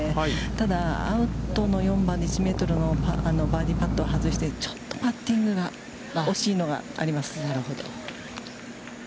ただ、アウトの４番に、１メートルのバーディーパットを外して、ちょっとパッティングが、惜しいのがあります。